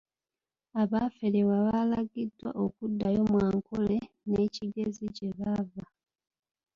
Abaaferebwa baalagidwa okuddayo mu Ankole ne Kigezi gye baava.